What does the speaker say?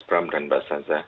terima kasih pak ramdan basanza